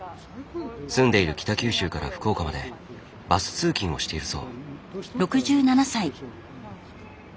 住んでいる北九州から福岡までバス通勤をしているそう。